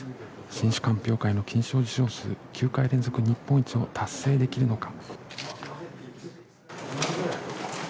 新酒鑑評会の金賞受賞数９回連続、日本一を達成できるのか。